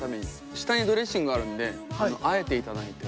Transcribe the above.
下にドレッシングあるんであえていただいて。